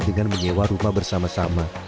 dengan menyewa rumah bersama sama